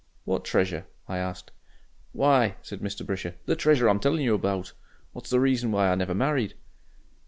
"What treasure?" I asked. "Why!" said Mr. Brisher, "the treasure I'm telling you about, what's the reason why I never married."